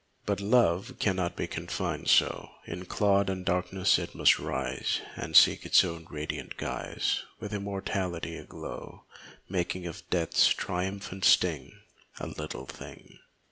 But love cannot be coffined so In clod and darkness; it must rise And seek its own in radiant guise, With immortality aglow, Making of death's triumphant sting A little thing.